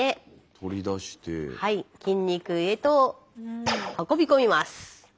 筋肉へと運び込みます。